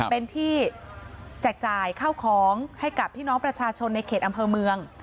เป็นที่แจกจ่ายข้าวของให้กับพี่น้องประชาชนในเขตอำเภอเมือง